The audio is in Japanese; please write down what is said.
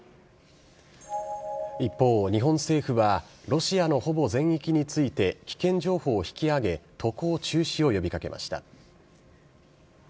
一方、日本政府はロシアのほぼ全域について、危険情報を引き上げ、渡航中止を呼びかけました。